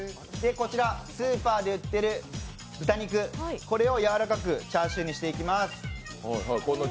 こちらスーパーで売ってる豚肉、これを柔らかくチャーシューにしていきます。